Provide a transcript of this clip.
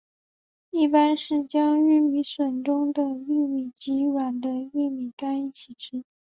一般是将玉米笋中的玉米及软的玉米秆一起吃。